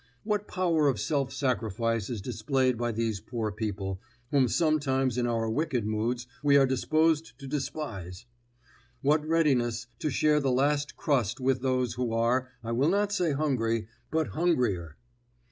What power of self sacrifice is displayed by these poor people, whom sometimes in our wicked moods we are disposed to despise; what readiness to share the last crust with those who are, I will not say hungry, but hungrier!